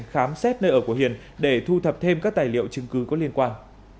khám xét nơi ở của hiền để thu thập thêm các tài liệu chứng cứ có liên quan